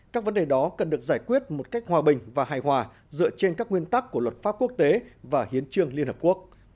các vấn đề đó cần được giải quyết một cách hòa bình và hài hòa dựa trên các nguyên tắc của luật pháp quốc tế và hiến trương liên hợp quốc